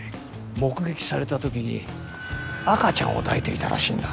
目撃された時に赤ちゃんを抱いていたらしいんだ。